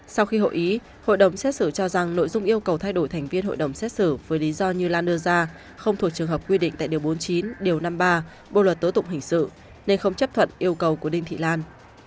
sau khi hội ý hội đồng xét xử cho rằng nội dung yêu cầu thay đổi thành viên hội đồng xét xử với lý do như lan đưa ra không thuộc trường hợp quy định tại điều bốn mươi chín điều năm mươi ba bộ luật tố tụng hình sự nên không chấp thuận yêu cầu của đinh thị lan